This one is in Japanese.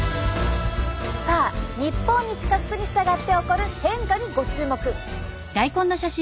さあ日本に近づくに従って起こる変化にご注目！